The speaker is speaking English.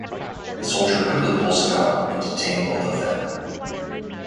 The soldier quickly pulls him out and detain both of them.